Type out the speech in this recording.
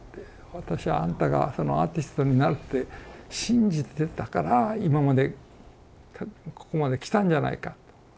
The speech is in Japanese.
「私はあんたがアーティストになるって信じてたから今までここまで来たんじゃないか。